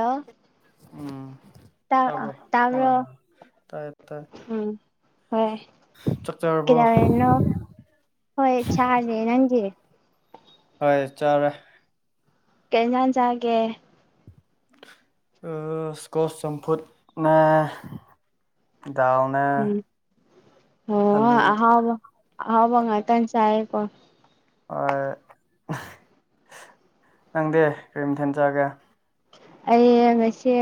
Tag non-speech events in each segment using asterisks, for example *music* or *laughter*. hello ꯎꯝ ꯇꯥꯕ꯭ꯔꯣ ꯍꯣꯏ ꯇꯥꯕ꯭ꯔꯣ ꯇꯥꯌꯦ ꯇꯥꯌꯦ ꯎꯝ ꯍꯣꯏ ꯆꯥꯛ ꯆꯥꯔꯕꯣ ꯀꯩꯗꯧꯔꯤꯅꯣ ꯍꯣꯏ ꯆꯥꯗ꯭ꯔꯦ ꯅꯪꯗꯤ ꯍꯣꯏ ꯆꯥꯔꯦ ꯀꯩ ꯖꯥꯡ ꯆꯥꯒꯦ ꯑꯥ ꯏꯁ꯭ꯀꯣꯁ ꯆꯝꯐꯨꯠ ꯅꯦ ꯗꯥꯜꯅꯦ ꯎꯝ ꯑꯣ ꯑꯂꯨ ꯑꯍꯥꯎꯕ ꯑꯍꯥꯎꯕ ꯉꯥꯛꯇꯪ ꯆꯥꯌꯦꯀꯣ ꯍꯣꯏ ꯅꯪꯗꯤ ꯀꯩ ꯃꯊꯦꯟ ꯆꯥꯒꯦ ꯑꯩꯌꯦ ꯉꯁꯤ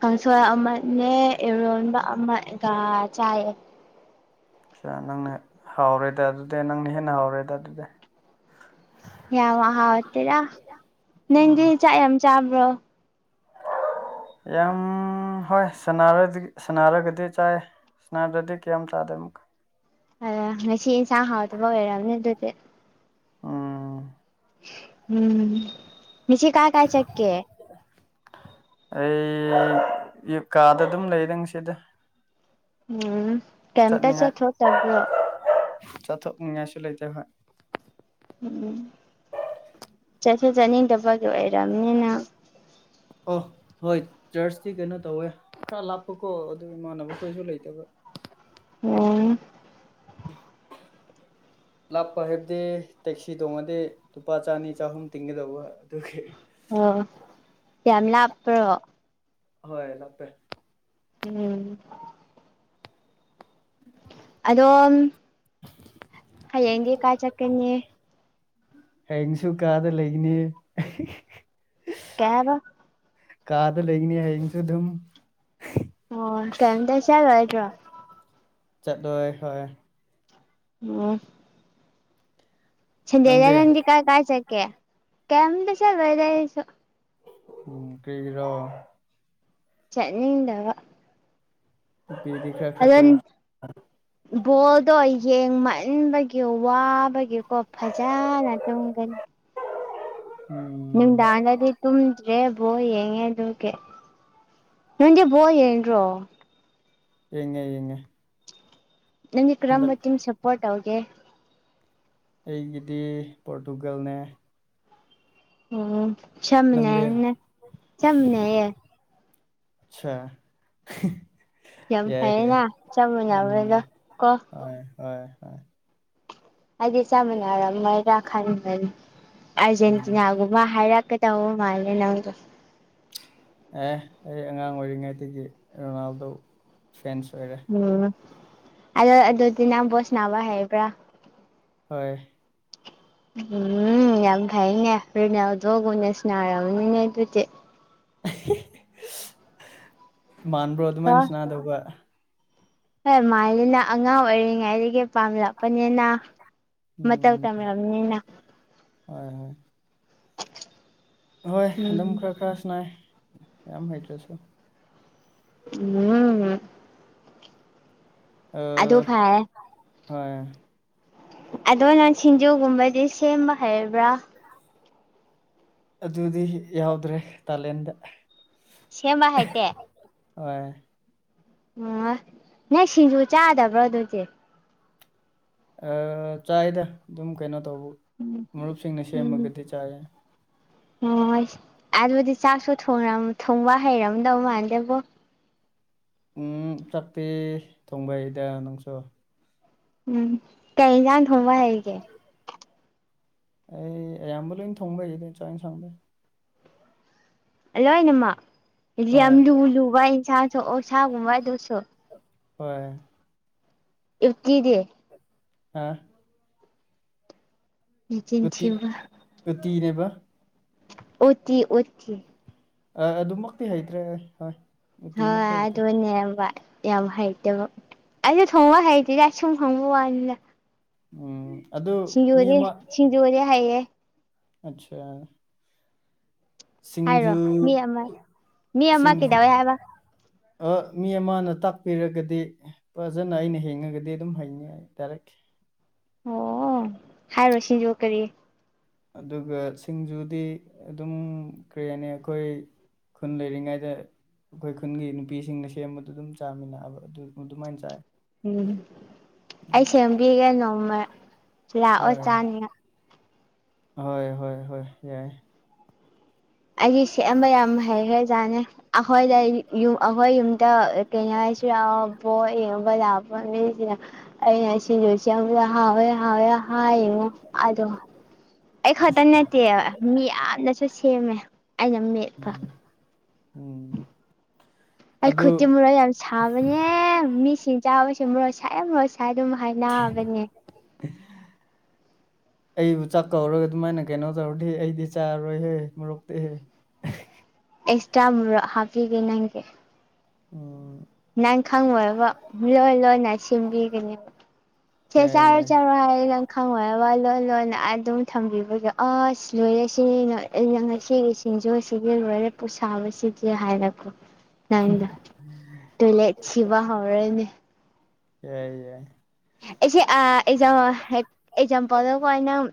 ꯀꯥꯡꯁꯣꯏ ꯑꯃꯅꯦ ꯏꯔꯣꯟꯕ ꯑꯃꯒ ꯆꯥꯏꯌꯦ ꯑꯆꯥ ꯅꯪꯅ ꯍꯥꯎꯔꯦꯗ ꯑꯗꯨꯗꯤ ꯅꯪꯅ ꯍꯦꯟꯅ ꯍꯥꯎꯔꯦꯗ ꯑꯗꯨꯗꯤ ꯌꯥꯝ ꯍꯥꯎꯇꯦꯗ ꯅꯪꯗꯤ ꯎꯝ ꯆꯥꯛ ꯌꯥꯝ ꯆꯥꯕ꯭ꯔꯣ ꯌꯥꯝ ꯍꯣꯏ ꯁꯅꯔꯗꯤ ꯁꯅꯔꯒꯗꯤ ꯆꯥꯏ ꯁ꯭ꯅꯥꯗꯗꯤ ꯀꯩꯝ ꯆꯥꯗꯦ ꯑꯃꯨꯛꯀ ꯑꯩꯌꯥ ꯉꯁꯤ ꯏꯟꯁꯥꯡ ꯍꯥꯎꯗꯕ ꯑꯣꯏꯔꯝꯅꯤ ꯑꯗꯨꯗꯤ ꯎꯝ ꯎꯝ ꯉꯁꯤ ꯀꯥꯏ ꯀꯥꯏ ꯆꯠꯛꯦ ꯑꯩ ꯀꯥꯗ ꯑꯗꯨꯝ ꯂꯩꯗ ꯉꯁꯤꯗꯤ ꯎꯝ ꯀꯩꯝꯇ ꯆꯠꯅꯤꯡꯉꯥꯏ ꯆꯠꯊꯣꯛꯇꯕ꯭ꯔꯣ ꯆꯠꯊꯣꯛꯅꯤꯡꯉꯥꯏꯁꯨ ꯂꯩꯇꯦ ꯍꯣꯏ ꯎꯝ ꯆꯠꯁꯨ ꯆꯠꯅꯤꯡꯗꯕꯒꯤ ꯑꯣꯏꯔꯝꯅꯤ ꯅꯪ ꯑꯣ ꯍꯣꯏ ꯆꯔꯁꯇꯤ ꯀꯩꯅꯣ ꯇꯧꯋꯦ ꯈꯔ ꯂꯥꯞꯄꯀꯣ ꯑꯗꯨ ꯏꯃꯥꯟꯅꯕꯈꯣꯏꯁꯨ ꯂꯩꯇꯕ *unintelligible* *unintelligible* ꯂꯥꯞꯄ ꯍꯥꯏꯕꯗꯤ ꯇꯦꯛꯁꯤ ꯇꯣꯡꯉꯗꯤ ꯂꯨꯄꯥ ꯆꯥꯅꯤ ꯆꯍꯨꯝ ꯇꯤꯡꯒꯗꯧꯕ ꯑꯗꯨꯒꯤ ꯑꯣ ꯌꯥꯝ ꯂꯥꯞꯄ꯭ꯔꯣ ꯍꯣꯏ ꯂꯥꯞꯄꯦ ꯎꯝ ꯑꯗꯣꯝ ꯍꯌꯦꯡꯗꯤ ꯀꯥꯏ ꯆꯠꯀꯅꯤ ꯍꯌꯦꯡꯁꯨ ꯀꯥꯗ ꯂꯩꯒꯅꯤ ꯀꯩ ꯍꯥꯏꯕ ꯀꯥꯗ ꯂꯩꯒꯅꯤ ꯍꯌꯦꯡꯁꯨ ꯗꯨꯝ ꯑꯣ ꯀꯩꯝꯇ ꯆꯠꯂꯣꯏꯗ꯭ꯔꯣ ꯆꯠꯂꯣꯏ ꯍꯣꯏ *unintelligible* ꯁꯟꯗꯦꯗ ꯅꯪꯗꯤ ꯀꯥꯏ ꯀꯥꯏ ꯆꯠꯀꯦ ꯀꯩꯝꯇ ꯆꯠꯂꯣꯏꯗ ꯑꯩꯁꯨ ꯎꯝ ꯀꯩꯒꯤꯔꯣ ꯆꯠꯅꯤꯡꯗꯕ *unintelligible* *unintelligible* ꯕꯣꯜꯗꯣ ꯌꯦꯡꯃꯟꯕꯒꯤ ꯋꯥꯕꯒꯤꯀꯣ ꯐꯖꯅ ꯇꯨꯝꯒꯅꯤ ꯎꯝ ꯅꯨꯡꯗꯥꯡꯗꯗꯤ ꯇꯨꯝꯗ꯭ꯔꯦ ꯕꯣꯜ ꯌꯦꯡꯉꯦ ꯑꯗꯨꯒꯤ ꯅꯪꯗꯤ ꯕꯣꯜ ꯌꯦꯡꯗ꯭ꯔꯣ ꯌꯦꯡꯉꯦ ꯌꯦꯡꯉꯦ ꯅꯪꯗꯤ ꯀꯔꯝꯕ ꯍꯟꯗꯛ ꯇꯤꯝ ꯁꯞꯄꯣꯔꯠ ꯇꯧꯒꯦ ꯑꯩꯒꯤꯗꯤ ꯄꯣꯔꯇꯨꯒꯜꯅꯦ ꯎꯝ ꯆꯞ ꯅꯪꯗꯤ ꯃꯅꯩꯅꯦ ꯆꯞ ꯃꯅꯩꯌꯦ ꯆꯥ ꯌꯥꯝ ꯐꯩꯌꯦꯅꯥ ꯆꯞ ꯎꯝ ꯃꯅꯕꯗꯣ ꯀꯣ ꯍꯣꯏ ꯍꯣꯏ ꯍꯣꯏ ꯑꯩꯗꯤ ꯆꯞ ꯃꯅꯥꯔꯝꯃꯣꯏꯗ꯭ꯔꯥ ꯈꯟꯕꯅꯤ ꯎꯝ ꯑꯥꯔꯖꯦꯟꯇꯤꯅꯥꯒꯨꯝ ꯃꯥ ꯍꯥꯏꯔꯛꯀꯇꯧ ꯃꯥꯜꯂꯦ ꯅꯪꯗꯨ ꯑꯦ ꯑꯩ ꯑꯉꯥꯡ ꯑꯣꯏꯔꯤꯉꯩꯗꯒꯤ ꯔꯣꯅꯥꯜꯗꯣ ꯐꯦꯟꯁ ꯑꯣꯏꯔꯦ ꯎꯝ ꯑꯗꯣ ꯑꯗꯨꯗꯤ ꯅꯪ ꯕꯣꯜ ꯁꯥꯅꯕ ꯍꯩꯕ꯭ꯔꯥ ꯍꯣꯏ ꯎꯝ ꯌꯥꯝ ꯐꯩꯅꯦ ꯔꯤꯅꯥꯜꯗꯣꯒꯨꯝꯅ ꯁꯅꯥꯔꯝꯅꯤꯅꯦ ꯑꯗꯨꯗꯤ ꯃꯥꯟꯕ꯭ꯔꯣ ꯑꯗꯨꯃꯥꯏꯅ ꯀꯣ ꯁꯅꯥꯗꯧꯒ ꯍꯣꯏ ꯃꯥꯜꯂꯤꯅ ꯑꯉꯥꯡ ꯑꯣꯏꯔꯤꯉꯩꯗꯒꯤ ꯄꯥꯝꯂꯛꯄꯅꯤꯅ ꯃꯧꯇꯧ ꯎꯝ ꯇꯝꯔꯝꯅꯤꯅ ꯍꯣꯏ ꯍꯣꯏ ꯍꯣꯏ ꯑꯗꯨꯝ ꯎꯝ ꯈꯔ ꯈꯔ ꯁꯅꯥꯏ ꯌꯥꯝ ꯍꯩꯇ꯭ꯔꯁꯨ ꯎꯝ ꯑꯗꯨ ꯑꯥ ꯐꯔꯦ ꯍꯣꯏ ꯑꯗꯨ ꯅꯪ ꯁꯤꯡꯖꯨꯒꯨꯝꯕꯗꯤ ꯁꯦꯝꯕ ꯍꯩꯕ꯭ꯔꯥ ꯑꯗꯨꯗꯤ ꯌꯥꯎꯗ꯭ꯔꯦ ꯇꯥꯂꯦꯟꯗ ꯁꯦꯝꯕ ꯍꯩꯇꯦ ꯍꯣꯏ ꯑꯣ ꯅꯪ ꯁꯤꯡꯖꯨ ꯆꯥꯗꯕ꯭ꯔꯣ ꯑꯗꯨꯗꯤ ꯑ ꯆꯥꯏꯗ ꯑꯗꯨꯝ ꯀꯩꯅꯣ ꯇꯧꯕ ꯎꯝ ꯃꯔꯨꯞꯁꯤꯡꯅ ꯎꯝ ꯁꯦꯝꯃꯒꯗꯤ ꯆꯥꯏꯌꯦ ꯍꯣꯏꯁ ꯑꯗꯨꯗꯤ ꯆꯥꯛꯁꯨ ꯊꯣꯡꯔꯝ ꯊ‌ꯣꯡꯕ ꯍꯩꯔꯝꯗꯧ ꯃꯥꯟꯗꯦꯕꯣ ꯎꯝ ꯆꯞꯄ‌ꯦ ꯊꯣꯡꯕ ꯍꯩꯗ ꯅꯪꯁꯨ ꯎꯝ ꯀꯩ ꯍꯤꯟꯁꯥꯡ ꯊꯣꯡꯕ ꯍꯩꯒꯦ ꯑꯩ ꯑꯌꯥꯝꯕ ꯂꯣꯏ ꯊꯣꯡꯕ ꯍꯩꯗ ꯆꯥꯛ ꯏꯟꯁꯥꯡꯗꯤ ꯑ ꯂꯣꯏꯅꯃꯛ ꯍꯣꯏ ꯌꯥꯝ ꯂꯨ ꯂꯨꯕ ꯏꯟꯁꯥꯡꯁꯨ ꯑꯣꯛꯁꯥꯥꯒꯨꯝꯕ ꯑꯗꯨꯁꯨ ꯍꯣꯏ ꯎꯠꯇꯤꯗꯤ ꯍꯥ ꯅꯆꯤꯟ ꯊꯤꯕ ꯇꯨꯇꯤꯅꯦꯕ ꯎꯠꯇꯤ ꯎꯠꯇꯤ ꯑ ꯑꯗꯨꯃꯛꯇꯤ ꯍꯩꯇ꯭ꯔꯦ ꯍꯣꯏ ꯍ‌ꯣꯏ ꯎꯇꯤꯃꯛꯇꯤ ꯍꯩꯇꯦ ꯑꯗꯨꯅꯦꯕ ꯌꯥꯝ ꯍꯩꯇꯦꯕꯨ ꯑꯩꯁꯨ ꯊꯣꯡꯕ ꯍꯩꯇꯤꯗ ꯁꯨꯝ ꯍꯪꯕ ꯋꯥꯅꯤꯗ ꯎꯝ ꯑꯗꯨ ꯃꯤ ꯁꯤꯡꯖꯨꯒꯗꯤ ꯁꯤꯡꯖꯨꯗꯤ ꯍꯩꯌꯦ ꯑꯆꯥ ꯍꯥꯏꯔꯣ ꯁꯤꯡꯖꯨ ꯃꯤ ꯑꯃ ꯃꯤ ꯑꯃ ꯁꯤꯡꯖꯨ ꯀꯩꯗꯧꯋꯦ ꯍꯥꯏꯕ ꯑ ꯃꯤ ꯑꯃꯅ ꯇꯥꯛꯄꯤꯔꯒꯗꯤ ꯐꯖꯅ ꯑꯩꯅ ꯍ‌ꯦꯡꯉꯒꯗꯤ ꯑꯗꯨꯝ ꯍꯩꯅꯤ ꯗꯥꯏꯔꯦꯛ ꯑꯣ ꯍꯥꯏꯔꯣ ꯁꯤꯡꯖꯨ ꯀꯔꯤ ꯑꯗꯨꯒ ꯁꯤꯡꯖꯨꯗꯤ ꯑꯗꯨꯝ ꯀꯔꯤ ꯍꯥꯏꯅꯤ ꯑꯩꯈꯣꯏ ꯈꯨꯟ ꯂꯩꯔꯤꯉꯩꯗ ꯑꯩꯈꯣꯏ ꯈꯨꯟꯒꯤ ꯅꯨꯄꯤꯁꯤꯡꯅ ꯁꯦꯝꯕꯗꯨꯗ ꯑꯗꯨꯝ ꯆꯥꯃꯤꯟꯅꯕ ꯑꯗꯨ ꯑꯗꯨꯃꯥꯏꯅ ꯆꯥꯏ ꯎꯝ ꯑꯩ ꯁꯦꯝꯕꯤꯒꯦ ꯅꯣꯡꯃ ꯂꯥꯛꯑꯣ ꯍꯣꯏ ꯆꯥꯅꯤꯉꯥꯏ ꯍꯣꯏ ꯍꯣꯏ ꯍꯣꯏ ꯌꯥꯏ ꯑꯩꯗꯤ ꯁ‌ꯦꯝꯕ ꯌꯥꯝ ꯍꯩꯈ꯭ꯔꯥꯖꯥꯠꯅꯤ ꯑꯩꯈꯣꯏꯗ ꯑꯩ ꯌꯨꯝ ꯑꯩꯈꯣꯏ ꯌꯨꯝꯗ ꯑ ꯀꯩ ꯍꯥꯏꯁꯤꯔꯥ ꯎꯝ ꯄꯣ ꯌꯦꯡꯕ ꯂꯥꯛꯄ ꯃꯤꯁꯤꯅ ꯑꯩꯅ ꯁꯤꯡꯖꯨ ꯁ‌ꯦꯝꯕꯗ ꯍꯥꯎꯋꯦ ꯍꯥꯎꯋꯦ ꯍꯥꯏꯉꯣ ꯑꯗꯣ ꯑꯩ ꯈꯛꯇ ꯅꯠꯇꯦꯕ ꯃꯤ ꯌꯥꯝꯅꯁꯨ ꯁꯦꯝꯃꯦ ꯑꯩꯅ ꯃ‌ꯦꯠ ꯎꯝ ꯎꯝ ꯑꯩ ꯑꯗꯨ ꯈꯨꯠꯇꯤ ꯃ‌ꯣꯔꯣꯛ ꯌꯥꯝ ꯁꯥꯕꯅꯦ ꯃꯤꯁꯤꯡ ꯆꯥꯕꯁꯦ ꯃ‌ꯣꯔꯣꯛ ꯁꯥꯏꯌ‌ꯦ ꯃ‌ꯣꯔꯣꯛ ꯁꯥꯏ ꯑꯗꯨꯝ ꯍꯥꯏꯕꯅꯦ ꯑꯩꯕꯨ ꯆꯥꯛ ꯀꯧꯔꯒ ꯑꯗꯨꯃꯥꯏꯅ ꯀꯩꯅꯣ ꯇꯧꯔꯗꯤ ꯑꯩꯗꯤ ꯆꯥꯔꯣꯏꯍꯦ ꯃꯣꯔ‌ꯣꯛꯇꯤꯍꯦ ꯏ‌ꯦꯁꯇ꯭ꯔꯥ ꯃ‌ꯣꯔ‌ꯣꯛ ꯍꯥꯞꯄꯤꯒ‌ꯦ ꯅꯪꯒꯤ ꯎꯝ ꯅꯪ ꯈꯪꯉ‌ꯣꯏꯕ ꯂꯣꯠ ꯂꯣꯠꯅ ꯁꯦꯝꯕꯤꯒꯅꯦꯕ ꯁꯦ ꯌꯥꯏ ꯆꯥꯔ‌ꯣ ꯌꯥꯏ ꯆꯥꯔ‌ꯣ ꯍꯥꯏꯔ‌ ꯅꯪ ꯈꯪꯉ‌ꯣꯏꯕ ꯂꯣꯟ ꯂꯣꯟꯅ ꯑꯗꯨꯝ ꯊꯝꯕꯤꯕꯗꯣ ꯑꯁ ꯂꯣꯏꯔꯦ ꯁꯤ ꯅꯣꯏ ꯑꯩꯅ ꯉꯁꯤꯒꯤ ꯁꯤꯡꯖꯨꯁꯤꯗꯤ ꯂꯣꯏꯔ‌ꯦ ꯄꯨꯛ ꯁꯥꯕꯁꯤꯗꯤ ꯍꯥꯏꯔꯀꯣ *unintelligible* ꯇꯣꯏꯂꯦꯠ ꯁꯤꯕ ꯍꯧꯔꯦꯅꯦ ꯌꯥꯏ ꯌꯥꯏ ꯑꯩꯁꯦ ꯑꯥ ꯑꯦꯛꯖꯥꯝ ꯑꯦꯛꯖꯥꯝꯄꯜꯗ ꯍꯣꯏ ꯅꯪ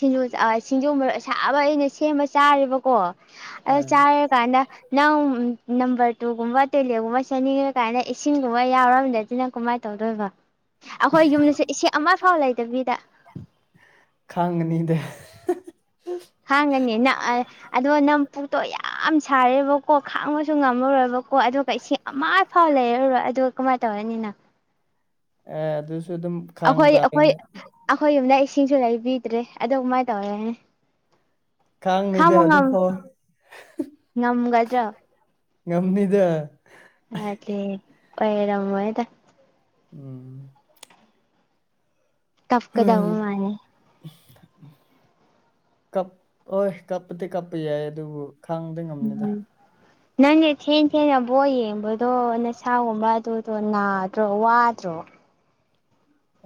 ꯁꯤꯡꯖꯨ ꯁꯤꯡꯖꯨ ꯃꯣꯔꯣꯛ ꯑꯁꯥꯕ ꯑꯩꯅ ꯁꯦꯝꯕ ꯆꯥꯔꯦꯕꯀꯣ ꯑꯗꯨ ꯎꯝ ꯆꯥꯔꯀꯥꯟꯗ ꯅꯪ ꯅꯝꯕꯔ ꯇꯨꯒꯨꯝꯕ ꯇꯣꯏꯂꯦꯠꯒꯨꯝꯕ ꯆꯦꯟꯅꯤꯡꯉ ꯀꯥꯟꯗ ꯏꯁꯤꯡꯒꯨꯝꯕ ꯌꯥꯎꯔꯝꯗꯗꯤ ꯅꯪ ꯀꯃꯥꯏꯅ ꯇꯧꯗꯣꯏꯕ ꯑꯩꯈꯣꯏ ꯌꯨꯝꯗꯁꯨ ꯏꯁꯤꯡ ꯑꯃ ꯐꯥꯎ ꯂꯩꯇꯕꯤꯗ ꯈꯥꯡꯒꯅꯤꯗ ꯈꯥꯡꯒꯅꯤ ꯅꯪ ꯑꯗꯣ ꯅꯪ ꯄꯨꯛꯇꯣ ꯌꯥꯝ ꯁꯥꯔꯦꯕꯀꯣ ꯈꯥꯡꯕꯁꯨ ꯉꯝꯃꯔꯣꯏꯕ ꯀꯣ ꯑꯗꯨꯒ ꯏꯁꯤꯡ ꯑꯃ ꯐꯥꯎ ꯂꯩꯔꯔꯣꯏ ꯑꯗꯨꯒ ꯀꯃꯥꯏꯅ ꯇꯧꯔꯅꯤ ꯅꯪ ꯑꯦ ꯑꯗꯨꯁꯨ ꯑꯗꯨꯝ ꯈꯥꯡ ꯑꯩꯈꯣꯏ ꯑꯩꯈꯣꯏ ꯇꯥꯔꯦꯅꯦ ꯑꯩꯈꯣꯏ ꯌꯨꯝꯗ ꯏꯁꯤꯡꯁꯨ ꯂꯩꯕꯤꯗ꯭ꯔꯦ ꯑꯗꯨ ꯀꯃꯥꯏꯅ ꯇꯧꯔꯦ ꯈꯥꯡꯅꯤꯗ ꯈꯥꯡꯕ ꯉꯝ ꯑꯗꯨꯐꯥꯎ ꯉꯝꯒꯗꯔꯣ ꯉꯝꯅꯤꯗ ꯅꯠꯇꯦ ꯑꯣꯏꯔꯝꯃꯣꯏꯗ ꯎꯝ ꯀꯞꯀꯗꯕ ꯃꯥꯜꯂꯦ ꯍꯣꯏ ꯀꯞꯑꯣꯏ ꯀꯞꯄꯗꯤ ꯀꯞꯄ ꯌꯥꯏ ꯑꯗꯨꯕꯨ ꯈꯥꯡꯕꯗꯤ ꯉꯝꯅꯤꯗ ꯎꯝ ꯅꯪꯅ ꯊꯦꯡ ꯊꯦꯡꯅ ꯕꯣꯜ ꯌꯦꯡꯕꯗꯣ ꯅꯁꯥꯒꯨꯝꯕ ꯑꯗꯨ ꯗꯣ ꯅꯥꯗ꯭ꯔꯣ ꯋꯥꯗ꯭ꯔꯣ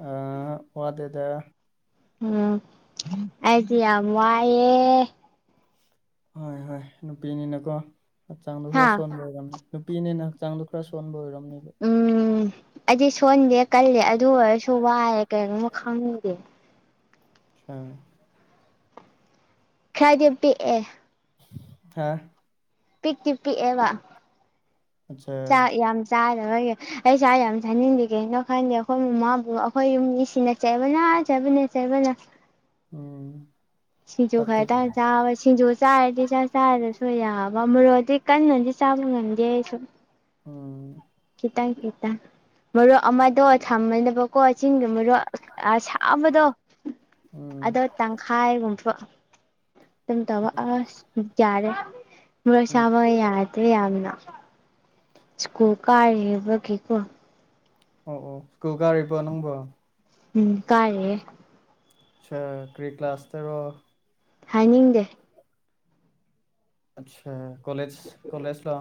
ꯑꯥ ꯋꯥꯗꯦꯗ ꯎꯝ ꯑꯩꯗꯤ ꯌꯥꯝ ꯋꯥꯏꯌꯦ ꯍꯣꯏ ꯍꯣꯏ ꯅꯨꯄꯤꯅꯤꯅꯀꯣ ꯍꯛꯆꯥꯡꯗꯣ ꯍꯥ ꯈꯔ ꯁꯣꯟꯕ ꯑꯣꯏꯔꯝꯅꯤ ꯅꯨꯄꯤꯅꯤꯅ ꯍꯛꯆꯥꯡꯗꯣ ꯈꯔ ꯁꯣꯟꯕ ꯑꯣꯏꯔꯝꯅꯤꯕ ꯎꯝ ꯑꯩꯗꯤ ꯁꯣꯟꯗꯦ ꯀꯜꯂꯦ ꯑꯗꯨ ꯑꯣꯏꯔꯁꯨ ꯋꯥꯔꯦ ꯀꯔꯤꯒꯨꯝꯕ ꯈꯪꯗꯦ ꯑꯠꯆꯥ ꯈꯔꯗꯤ ꯄꯤꯛꯑꯦ ꯍꯥ ꯄꯤꯛꯇꯤ ꯄꯤꯛꯑꯦꯕ ꯑꯆꯥ ꯆꯥꯛ ꯌꯥꯝ ꯆꯥꯔꯔꯣꯏꯒꯦ ꯑꯩ ꯆꯥꯛ ꯌꯥꯝ ꯆꯥꯅꯤꯡꯗꯦ ꯀꯩꯒꯤꯅꯣ ꯈꯪꯗꯦ ꯑꯩꯈꯣꯏ ꯃꯃꯥ ꯑꯩꯈꯣꯏ ꯌꯨꯝ ꯃꯤꯁꯤꯡꯅ ꯆꯩꯕꯅ ꯆꯩꯕꯅ ꯆꯩꯕꯅ ꯎꯝ ꯁꯤꯡꯖꯨ ꯈꯛꯇꯪ ꯆꯠꯇꯦꯕ ꯆꯥꯕ ꯁꯤꯡꯖꯨ ꯆꯥꯔꯗꯤ ꯆꯥꯛ ꯆꯥꯗꯔꯁꯨ ꯌꯥꯕ ꯃꯣꯔꯣꯛꯗꯤ ꯀꯟꯅꯗꯤ ꯆꯥꯕ ꯉꯝꯗꯦ ꯑꯩꯁꯨꯨ ꯎꯝ ꯈꯤꯇꯪ ꯈꯤꯇꯪ ꯃꯣꯔꯣꯛ ꯑꯃꯗꯣ ꯊꯝꯃꯅꯤꯕ ꯀꯣ ꯆꯤꯡꯒꯤ ꯃꯣꯔꯣꯛ ꯑꯁꯥꯕꯗꯣ ꯎꯝ ꯑꯗꯣ ꯇꯪꯈꯥꯏꯒꯨꯝꯕ ꯑꯗꯨꯝ ꯇꯧꯕ ꯑꯁ ꯌꯥꯔꯦ ꯃꯣꯔꯣꯛꯁꯥꯕ ꯌꯥꯗ꯭ꯔꯦ ꯌꯥꯝꯅ ꯏꯁ꯭ꯀꯨꯜ ꯀꯥꯔꯤꯕꯒꯤꯀꯣ ꯑꯣ ꯑꯣ ꯏꯁ꯭ꯀꯨꯜ ꯀꯥꯔꯤꯕꯣ ꯅꯪꯕꯣ ꯎꯝ ꯀꯥꯔꯤꯌꯦ ꯑꯠꯆꯥ ꯀꯔꯤ ꯀ꯭ꯂꯥꯁꯇꯔꯣ ꯍꯥꯏꯅꯤꯡꯗꯦ ꯑꯠꯆꯥ ꯀꯣꯂꯦꯖ ꯀꯣꯂꯦꯖ ꯔꯣ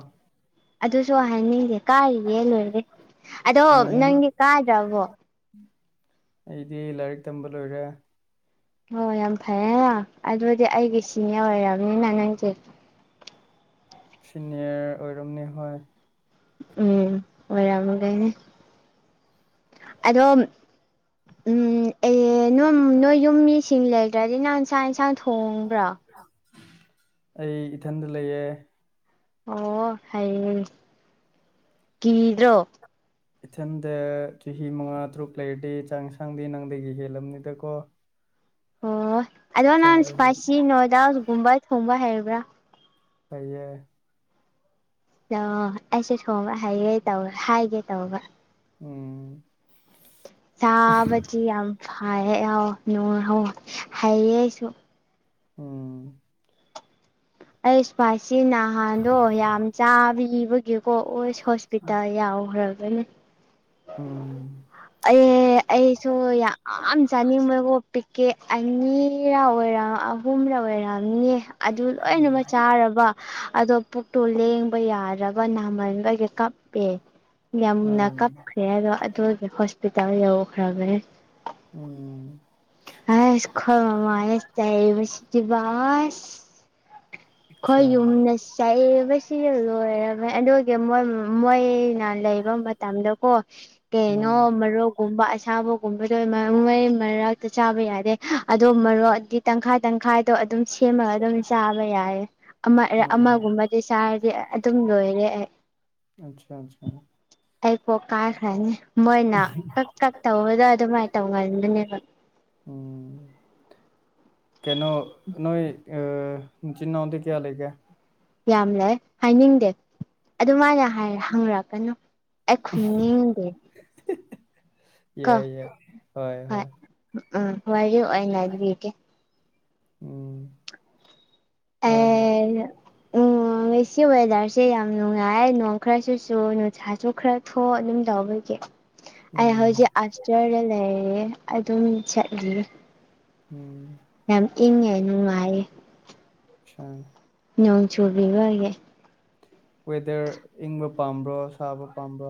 ꯑꯗꯨꯁꯨ ꯍꯥꯏꯅꯤꯡꯗꯦ ꯀꯥꯔꯤꯌꯦ ꯂꯣꯏꯔꯦ ꯑꯗꯣ ꯎꯝ ꯅꯪꯗꯤ ꯀꯥꯗ꯭ꯔꯕꯣ ꯑꯩꯗꯤ ꯂꯥꯏꯔꯤꯛ ꯇꯝꯕ ꯂꯣꯏꯔꯦ ꯑꯣ ꯌꯥꯝ ꯐꯩꯔꯦ ꯑꯗꯨꯗꯤ ꯑꯩꯒꯤ ꯁꯤꯅꯤꯌꯔ ꯑꯣꯏꯔꯕꯅꯤꯅ ꯅꯪꯁꯦ ꯁꯤꯅꯤꯌꯔ ꯑꯣꯏꯔꯝꯅꯤ ꯍꯣꯏ ꯎꯝ ꯑꯣꯏꯔꯝꯒꯅꯤ ꯑꯗꯣ ꯎꯝ ꯅꯣꯏ ꯅꯣꯏ ꯌꯨꯝ ꯃꯤꯁꯤꯡ ꯂꯩ ꯂꯩꯇꯔꯗꯤ ꯅꯪ ꯆꯥꯛ ꯌꯦꯟꯁꯥꯡ ꯊꯣꯡꯕ꯭ꯔꯣ ꯑꯩ ꯏꯊꯟꯗ ꯂꯩꯌꯦ ꯑꯣ ꯍꯩꯌꯦ ꯀꯤꯗ꯭ꯔꯣ ꯏꯊꯟꯗ ꯆꯍꯤ ꯃꯉꯥ ꯇꯔꯨꯛ ꯂꯩꯔꯗꯤ ꯆꯥꯡ ꯌꯦꯁꯥꯡꯗꯤ ꯅꯪꯗꯒꯤ ꯍꯦꯜꯂꯝꯅꯤꯗꯀꯣ ꯑꯣ ꯑꯗꯣ ꯅꯪ ꯊꯣꯡꯕꯁꯨ ꯏꯁꯄꯥꯏꯁꯤ ꯅꯣꯗꯜꯒꯨꯝꯕ ꯊꯣꯡꯕ ꯍꯩꯕ꯭ꯔꯥ ꯍꯩꯌꯦ ꯑꯣ ꯑꯩꯁꯨ ꯊꯣꯡꯕ ꯍꯩꯌꯦ ꯇꯧ ꯍꯥꯏꯒꯦ ꯇꯧꯕ ꯎꯝ ꯆꯥꯕꯗꯤ ꯌꯥꯝ *unintelligible* ꯍꯩꯌꯦ ꯑꯩꯁꯨ ꯎꯝ ꯑꯩ ꯑꯁꯄꯥꯁꯤꯅꯥ ꯅꯍꯥꯟꯗꯣ ꯌꯥꯝ ꯆꯥꯕꯤꯕꯒꯤꯀꯣ ꯑꯣꯁ ꯍꯣꯁꯄꯤꯇꯥꯜ ꯌꯥꯎꯈ꯭ꯔꯕꯅꯦ ꯎꯝ ꯑꯦ ꯑꯩꯁꯨ ꯌꯥꯝ ꯆꯥꯅꯤꯡꯕꯀꯣ ꯄꯤꯛꯀꯦ ꯑꯅꯤꯔꯥ ꯑꯣꯏꯔꯝ ꯑꯍꯨꯝꯂ ꯑꯣꯏꯔꯝꯅꯤꯌꯦ ꯑꯗꯨ ꯂꯣꯏꯅꯃꯛ ꯆꯥꯔꯕ ꯑꯗꯣ ꯄꯨꯛꯇꯨ ꯂꯦꯡꯕ ꯌꯥꯗ꯭ꯔꯕ ꯅꯥꯃꯟꯕꯒꯤ ꯀꯞꯄꯦ ꯌꯥꯝꯅ ꯎꯝ ꯀꯞꯈ꯭ꯔꯦ ꯑꯗꯣ ꯑꯗꯨꯒꯤ ꯍꯣꯁꯄꯤꯇꯥꯜ ꯌꯧꯈ꯭ꯔꯕꯅꯦ ꯎꯝ ꯑꯥꯢꯁ ꯈꯣꯏ ꯃꯃꯥꯅ ꯆꯩꯕꯁꯤꯗꯤꯕ ꯑꯥꯁ ꯑꯩꯈꯣꯏ ꯑꯠꯁꯥ ꯌꯨꯝꯗ ꯆꯩꯕꯁꯤꯗ ꯂꯣꯏꯔꯝꯃꯦ ꯑꯗꯨꯒꯤ ꯃꯣꯏ ꯃꯣꯏꯅ ꯂꯩꯕ ꯃꯇꯝꯗꯀꯣ ꯎꯝ ꯀꯩꯅꯣ ꯃꯔꯨꯞ ꯀꯨꯝꯕ ꯑꯁꯥꯕꯒꯨꯝꯕꯗꯣ ꯃꯩ ꯃꯔꯛꯇ ꯆꯥꯕ ꯌꯥꯗꯦ ꯑꯗꯣ ꯃꯔꯣꯛ ꯇꯪꯈꯥꯏ ꯇꯪꯈꯥꯏ ꯑꯗꯣ ꯑꯗꯨꯝ ꯁꯦꯝꯃꯒ ꯑꯗꯨꯝ ꯆꯥꯕ ꯌꯥꯏꯌꯦ ꯑꯃꯔ ꯎꯝ ꯑꯃꯒꯨꯝꯕꯗꯤ ꯆꯥꯔꯗꯤ ꯑꯗꯨꯝ ꯂꯣꯏꯔꯦ ꯑꯩ ꯑꯠꯁꯥ ꯑꯠꯁꯥ ꯑꯩ ꯄꯣꯛ ꯀꯥꯏꯈ꯭ꯔꯅꯤ ꯃꯣꯏꯅ ꯀꯛ ꯀꯛ ꯇꯧꯕꯗꯣ ꯑꯗꯨꯃꯥꯏꯅ ꯇꯧ ꯉꯟꯕꯅꯦꯕ ꯎꯝ ꯀꯩꯅꯣ ꯅꯣꯏ ꯢꯆꯤꯟ ꯅꯥꯎꯗꯤ ꯀꯌꯥ ꯂꯩꯒꯦ ꯌꯥꯝ ꯂꯩ ꯍꯥꯏꯅꯤꯡꯗꯦ ꯑꯗꯨꯃꯥꯏꯅ ꯍꯪꯔꯛꯀꯅꯨ ꯑꯩ ꯈꯨꯝꯅꯤꯡꯗꯦ *inaudible* ꯀ ꯍꯣꯏ ꯎꯝ ꯋꯥꯔꯤ ꯂꯤꯒꯦ ꯎꯝ ꯍꯣꯏ ꯍꯣꯏ ꯑꯣ ꯉꯁꯤ ꯋꯦꯗꯔꯁꯦ ꯌꯥꯝ ꯅꯨꯡꯉꯥꯏ ꯅꯣꯡ ꯈꯔꯁꯨ ꯆꯨ ꯅꯨꯡꯁꯥꯁꯨ ꯈꯔ ꯊꯣꯛ ꯑꯗꯨꯝ ꯇꯧꯕꯒꯤ ꯑꯩ ꯎꯝ ꯍꯧꯖꯤꯛ ꯑꯁꯇꯔꯗ ꯂꯩꯔꯦ ꯑꯗꯨꯝ ꯆꯠꯂꯤ ꯎꯝ ꯌꯥꯝ ꯏꯪꯉꯦ ꯅꯨꯡꯉꯥꯢꯌꯦ ꯁꯟ ꯅꯣꯡ ꯆꯨꯕꯤꯕꯒꯤ ꯋꯦꯗꯔ ꯏꯪꯕ ꯄꯥꯝꯕ꯭ꯔꯣ ꯁꯥꯕ ꯄꯥꯝꯕ꯭ꯔꯣ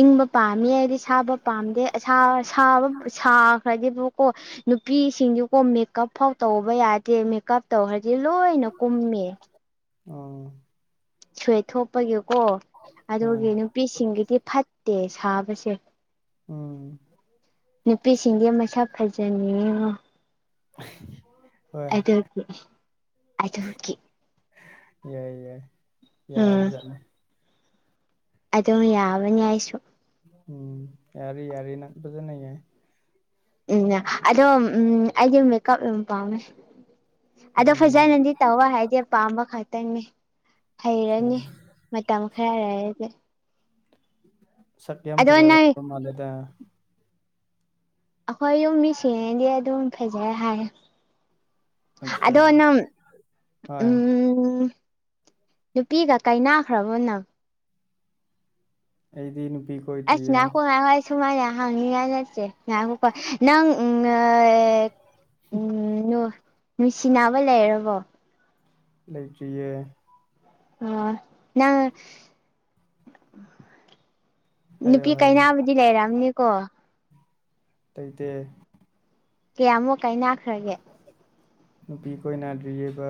ꯏꯪꯕ ꯄꯥꯝꯃꯤ ꯑꯩꯗꯤ ꯁꯥꯕ ꯄꯥꯝꯗꯦꯕ ꯑꯁꯥꯕ ꯁꯥꯕ ꯁꯥꯈ꯭ꯔꯗꯤꯕꯨ ꯀꯣ ꯅꯨꯄꯤꯁꯤꯡꯖꯨꯀꯣ ꯃꯦꯀꯞ ꯐꯥꯎ ꯇꯧꯕ ꯌꯥꯗꯦ ꯃꯦꯀꯞ ꯇꯧꯈ꯭ꯔꯗꯤ ꯂꯣꯏꯅ ꯀꯨꯝꯃꯦ ꯑ ꯁ꯭ꯋꯦꯠ ꯊꯣꯛꯄꯒꯤꯀꯣ ꯍꯣꯏ ꯑꯗꯨꯒꯤ ꯅꯨꯄꯤꯁꯤꯡꯒꯤꯗꯤ ꯐꯠꯇꯦ ꯁꯥꯕꯁꯦ ꯑ ꯅꯨꯄꯤꯁꯤꯡꯗꯤ ꯃꯁꯛ ꯐꯖꯅꯤꯡꯉꯦ ꯉꯣ *unintelligible* ꯑꯗꯨꯒꯤ ꯑꯗꯨꯒꯤ ꯌꯥꯏ ꯌꯥꯏ ꯌꯥꯕ ꯎꯝ ꯖꯥꯠꯅꯤ ꯑꯗꯨꯝ ꯌꯥꯕꯅꯤ ꯑꯩꯁꯨ ꯎꯝ ꯌꯥꯔꯤ ꯌꯥꯔꯤ ꯅꯪ ꯐꯖꯅ ꯌꯥꯢ ꯎꯝ ꯑꯗꯣ ꯎꯝ ꯑꯩꯗꯤ ꯃꯦꯀꯞ ꯌꯥꯝ ꯄꯥꯝꯃꯦ ꯑꯗꯣ ꯎꯝ ꯐꯖꯅꯗꯤ ꯇꯧꯕ ꯍꯩꯇꯦ ꯄꯥꯝꯕ ꯈꯛꯇꯪꯅꯤ ꯍꯩꯔꯅꯤ ꯃꯇꯝ ꯈꯔ ꯂꯩꯔꯗꯤ ꯁꯛꯇꯤ ꯌꯥꯝ ꯑꯗꯣ ꯅꯪ ꯐꯖꯔꯝꯗꯧ ꯃꯥꯜꯂꯤꯗ ꯑꯩꯈꯣꯏ ꯌꯨꯝ ꯃꯤꯁꯤꯡꯅꯗꯤ ꯑꯗꯨꯝ ꯐꯖꯩ ꯍꯥꯏꯌꯦ ꯑꯠꯁꯥ ꯑꯗꯣ ꯅꯝ ꯍꯣꯏ ꯎꯝ ꯅꯨꯄꯤꯒ ꯀꯥꯏꯅꯈ꯭ꯔꯕꯣ ꯅꯪ ꯑꯩꯗꯤ ꯅꯨꯄꯤ ꯑꯁ ꯀꯣꯏꯗ꯭ꯔꯤꯌꯦ ꯉꯥꯢꯈꯣ ꯉꯥꯢꯈꯣ ꯑꯩ ꯁꯨꯃꯥꯏꯅ ꯍꯥꯡꯅꯤꯉꯥꯏ ꯅꯠꯇꯦ ꯉꯥꯢꯈꯣꯀꯣ ꯅꯪ ꯎꯝ ꯅꯨ ꯅꯨꯡꯁꯤꯅꯕ ꯂꯩꯔꯕꯣ ꯂꯩꯇ꯭ꯔꯤꯌꯦ ꯑꯣ ꯅꯪ ꯍꯥꯏꯌꯣ ꯅꯨꯄꯤ ꯀꯥꯢꯅꯕꯗꯤ ꯂꯩꯔꯝꯅꯤꯀꯣ ꯇꯩꯇꯦ ꯀꯌꯥꯝꯃꯨꯛ ꯀꯥꯏꯅꯥꯈ꯭ꯔꯒꯦ ꯅꯨꯄꯤ ꯀꯣꯏꯅꯗ꯭ꯔꯤꯌꯦꯕ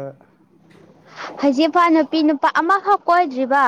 ꯍꯥꯖꯤꯛꯐꯥꯎ ꯅꯨꯄꯤ ꯅꯨꯄꯥ ꯑꯃꯐꯥꯎ ꯀꯣꯏꯗ꯭ꯔꯤꯕ